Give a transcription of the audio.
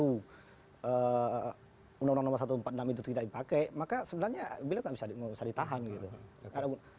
undang undang nomor satu ratus empat puluh enam itu tidak dipakai maka sebenarnya beliau tidak bisa ditahan gitu